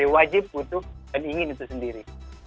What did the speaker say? wajib butuh dan ingin itu sendiri